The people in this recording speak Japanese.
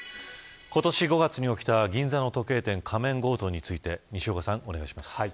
今年５月に起きた銀座の時計店仮面強盗について西岡さん、お願いします。